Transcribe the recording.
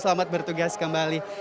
selamat bertugas kembali